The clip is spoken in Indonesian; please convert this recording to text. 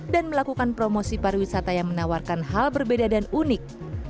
dan melakukan promosi pariwisata yang menawarkan hal berbeda dan unik